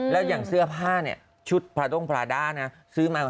แล้วอย่างเสื้อผ้าเนี่ยชุดพระโต๊งพราดานะซื้อมา๕๐๐๐๐